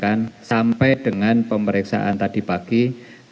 untuk melakukan sesuatu yang lebih baik